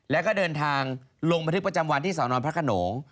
และก็เดินทางลงไปถึงประจำวัติที่เส้านอนพระขนง